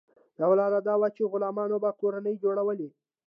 یوه لار دا وه چې غلامانو به کورنۍ جوړولې.